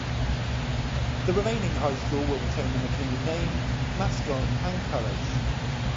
The remaining high school will retain the McKinley name, mascot, and colors.